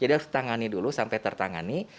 jadi harus ditangani dulu sampai tertangani